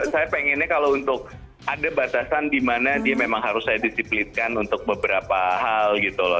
saya pengennya kalau untuk ada batasan di mana dia memang harus saya disiplinkan untuk beberapa hal gitu loh